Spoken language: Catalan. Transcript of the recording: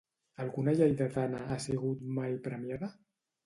Alguna lleidatana ha sigut mai premiada?